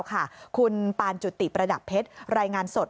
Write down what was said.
คุณปานจุติประดับเพชรรายงานสด